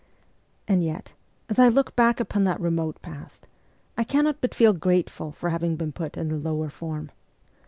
And yet, as I look back upon that remote past, I cannot but feel grateful for having been put in the lower form.